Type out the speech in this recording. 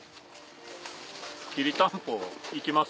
きりたんぽ行きます？